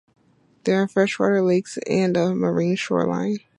There are of fresh water lakes and of marine shoreline.